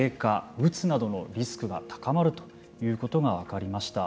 うつなどのリスクが高まるということが分かりました。